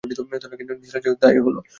নিসার আলি যা ভেবেছিলেন, তা-ই হলো।